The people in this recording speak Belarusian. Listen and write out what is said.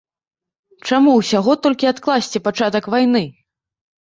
Чаму ўсяго толькі адкласці пачатак вайны?